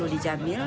sepuluh di jamil